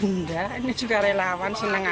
bunda ini juga relawan senang